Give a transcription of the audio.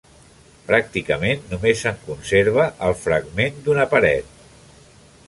Pràcticament només se'n conserva el fragment d'una paret.